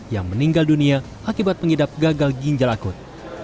yang meninggal dunia akibat pengidap gagal ginjal akut